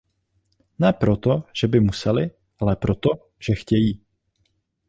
Ne proto, že by musely, ale proto, že chtějí.